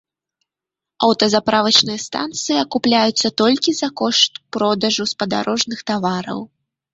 Аўтазаправачныя станцыі акупляюцца толькі за кошт продажу спадарожных тавараў.